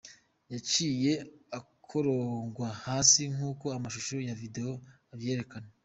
Yaciye akorogwa hasi, nkuko amashusho ya video avyerekana.